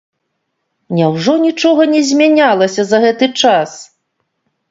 Няўжо нічога не змянялася за гэты час?